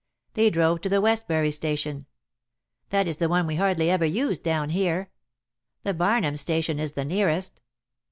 They drove to the Westbury Station. That is the one we hardly ever use down here. The Barnham Station is the nearest."